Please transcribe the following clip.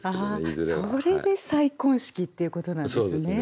それで再婚式っていうことなんですね。